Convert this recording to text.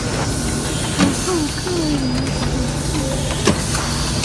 属兔科林兔属。